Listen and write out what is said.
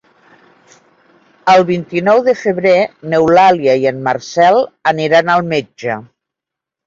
El vint-i-nou de febrer n'Eulàlia i en Marcel aniran al metge.